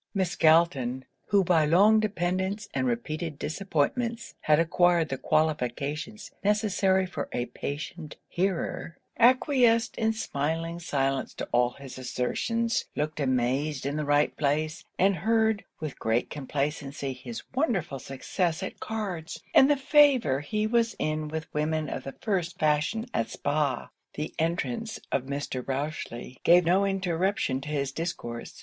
Miss Galton, who by long dependance and repeated disappointments had acquired the qualifications necessary for a patient hearer, acquiesced in smiling silence to all his assertions; looked amazed in the right place; and heard, with great complacency, his wonderful success at cards, and the favour he was in with women of the first fashion at Spa. The entrance of Mr. Rochely gave no interruption to his discourse.